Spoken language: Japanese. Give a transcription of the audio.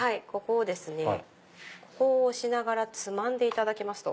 ここを押しながらつまんでいただきますと。